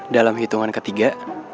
dalam hitungan ketiga